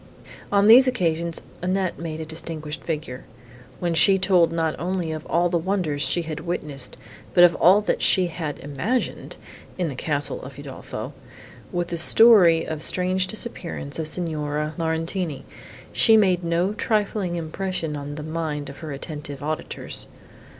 On these occasions Annette made a distinguished figure. When she told not only of all the wonders she had witnessed, but of all that she had imagined, in the castle of Udolpho, with the story of the strange disappearance of Signora Laurentini, she made no trifling impression on the mind of her attentive auditors.